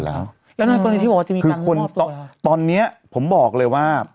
แล้วนั่นคนที่บอกว่าที่มีการมอบตัวค่ะคือคนตอนเนี้ยผมบอกเลยว่า